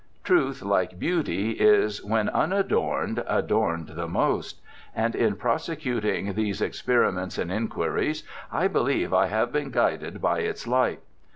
Truth, like beauty, is "when unadorned adorned the most"; and in frosecuting these experiments and inquiries, I believe have been guided by its light.